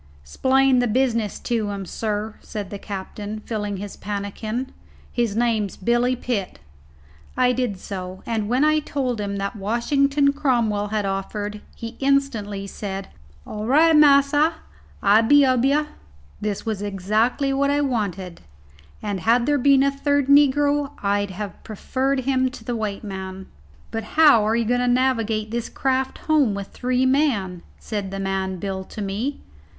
"'Splain the business to him, sir," said the captain, filling his pannikin; "his name's Billy Pitt." I did so; and when I told him that Washington Cromwell had offered, he instantly said, "All right, massa, I'll be ob yah." This was exactly what I wanted, and had there been a third negro I'd have preferred him to the white man. "But how are you going to navigate this craft home with three men?" said the man "Bill" to me.